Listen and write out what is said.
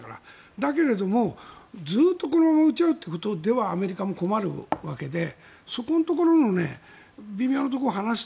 だけれどもずっともめちゃうということではアメリカも困るわけでそこのところの微妙なところを話す。